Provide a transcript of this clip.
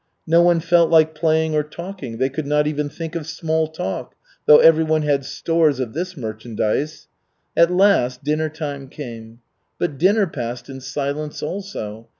No one felt like playing or talking; they could not even think of small talk, though everyone had stores of this merchandise. At last dinner time came. But dinner passed in silence also.